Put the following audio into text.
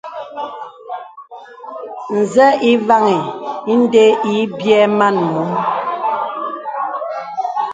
Nzə̄ ǐ vaŋì inde ǐ byɛ̌ man mom.